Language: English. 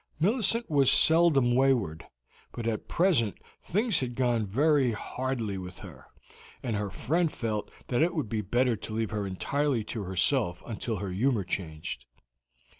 Millicent was seldom wayward, but at present things had gone very hardly with her, and her friend felt that it would be better to leave her entirely to herself until her humor changed.